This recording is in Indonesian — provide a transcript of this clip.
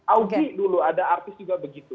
augie dulu ada artis juga begitu